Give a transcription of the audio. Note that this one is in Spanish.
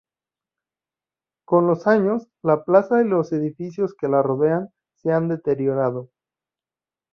Con los años, la plaza y los edificios que la rodean se han deteriorado".